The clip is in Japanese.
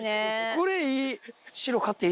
これ、いい。